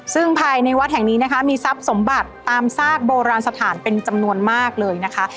ซึ่งภายในวัดแห่งนี้นะคะมีทรัพย์สมบัติตามซากโบราณสถานเป็นจำนวนมากเลยนะคะ